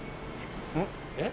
えっ？